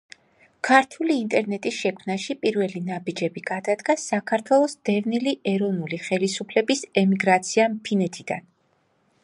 ქართული ინტერნეტის შექმნაში პირველი ნაბიჯები გადადგა საქართველოს დევნილი ეროვნული ხელისუფლების ემიგრაციამ ფინეთიდან.